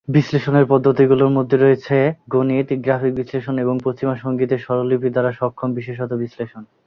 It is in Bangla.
বিশ্লেষণের পদ্ধতিগুলির মধ্যে রয়েছে গণিত, গ্রাফিক বিশ্লেষণ এবং পশ্চিমা সংগীতের স্বরলিপি দ্বারা সক্ষম বিশেষত বিশ্লেষণ।